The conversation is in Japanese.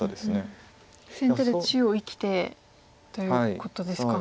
先手で中央生きてということですか。